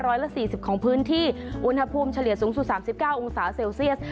ร้อยละ๔๐ของพื้นที่อุณหภูมิเฉลี่ยสูงสุด๓๙องศาเซลเซียส